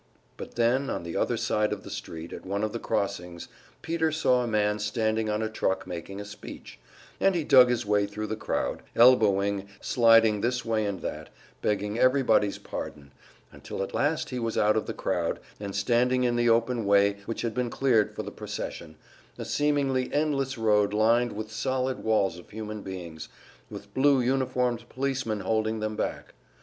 But then, on the other side of the street at one of the crossings Peter saw a man standing on a truck making a speech, and he dug his way thru the crowd, elbowing, sliding this way and that, begging everybody's pardon until at last he was out of the crowd, and standing in the open way which had been cleared for the procession, a seemingly endless road lined with solid walls of human beings, with blue uniformed policemen holding them back.